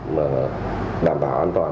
mà đảm bảo an toàn